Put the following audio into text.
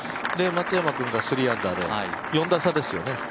松山君が３アンダーで４打差ですよね。